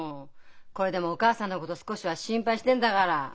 これでもお母さんのこと少しは心配してんだがら。